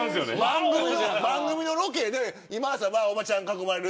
番組のロケで今田さんがおばちゃんに囲まれる。